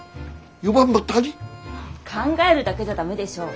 考えるだけじゃ駄目でしょ。